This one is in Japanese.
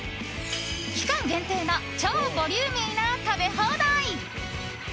期間限定の超ボリューミーな食べ放題。